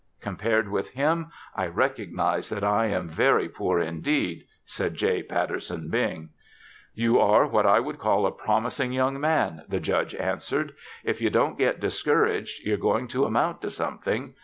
"Compared with him, I recognize that I am very poor indeed," said J. Patterson Bing. "You are what I would call a promising young man," the Judge answered. "If you don't get discouraged, you're going to amount to something.